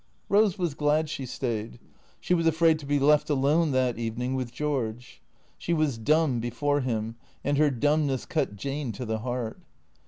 Eose was glad she stayed. She M as afraid to be left alone that evening with George. She was dumb before him, and her dumbness cut Jane to the heart.